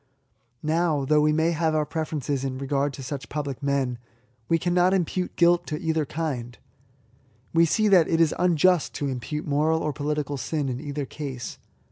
Now, though we may have our preferences in LIFE TO THE INVALID* 75 regard to such public men, we cannot impute guilt to either kind. We see that it is unjust to impute moral or political sin in either case.